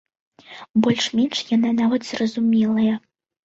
Больш-менш яна нават зразумелая.